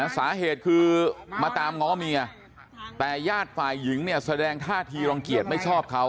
สาเหตุคือมาตามง้อเมียแต่ญาติฝ่ายหญิงเนี่ยแสดงท่าทีรังเกียจไม่ชอบเขา